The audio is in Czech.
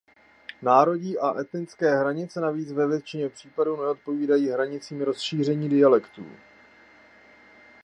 Národní a etnické hranice navíc ve většině případů neodpovídají hranicím rozšíření dialektů.